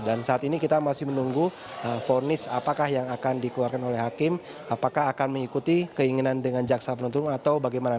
dan saat ini kita masih menunggu fornis apakah yang akan dikeluarkan oleh hakim apakah akan mengikuti keinginan dengan jaksa penonton atau bagaimana